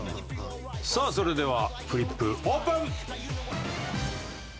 さあそれではフリップオープン！